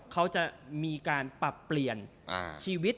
เขาจะมีการปรับเปลี่ยนชีวิต